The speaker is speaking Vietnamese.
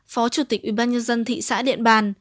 phó chủ tịch ủy ban nhân dân thị xã điện bàn